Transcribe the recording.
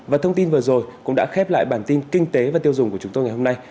và thông tin vừa rồi cũng đã khép lại bản tin kinh tế và tiêu dùng của chúng tôi ngày hôm nay